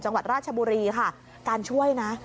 จังหวัดราชบุรีค่ะการช่วยนะ